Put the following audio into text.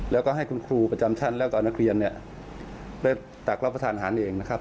แล้วก็ให้คุณครูประจำชั้นแล้วก็นักเรียนเนี่ยได้ตักรับประทานอาหารเองนะครับ